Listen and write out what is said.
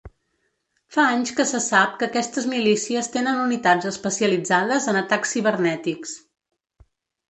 Fa anys que se sap que aquestes milícies tenen unitats especialitzades en atacs cibernètics.